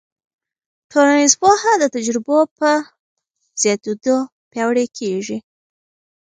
ټولنیز پوهه د تجربو په زیاتېدو پیاوړې کېږي.